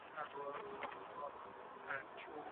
ښوونکی د لارښود په توګه کار کوي.